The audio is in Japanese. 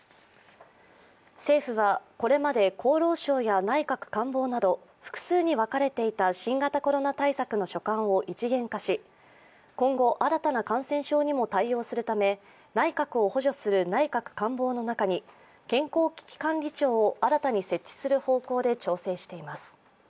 政府はこれまで厚労省や内閣官房など複数に分かれていた新型コロナ対策の所管を一元化し今後、新たな感染症にも対応するため内角を補助する内閣官房の中に健康危機管理庁を新たに設置する方向で調整しています。